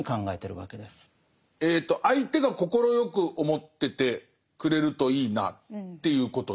相手が快く思っててくれるといいなっていうことで。